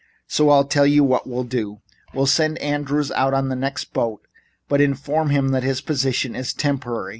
So I'll tell you what we'll do. We'll send Andrews out on the next boat, but inform him that his position is temporary.